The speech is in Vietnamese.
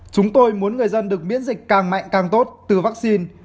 chúng tôi muốn người dân được miễn dịch càng mạnh càng tốt từ vaccine